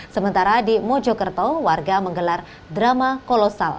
sementara di mojokerto warga menggelar drama kolosal